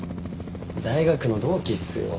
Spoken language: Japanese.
大学の同期っすよ。